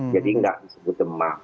jadi enggak disebut demam